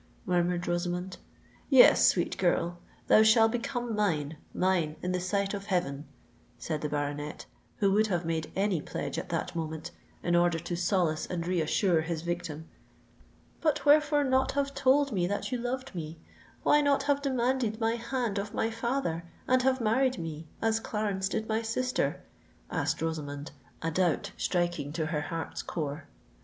murmured Rosamond. "Yes, sweet girl—thou shall become mine—mine in the sight of heaven!" said the baronet, who would have made any pledge at that moment, in order to solace and reassure his victim. "But wherefore not have told me that you loved me—why not have demanded my hand of my father, and have married me as Clarence did my sister?" asked Rosamond, a doubt striking to her heart's core.